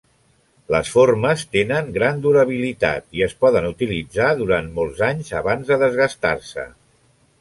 Les formes tenen gran durabilitat i es poden utilitzar durant molts anys abans de desgastar-se.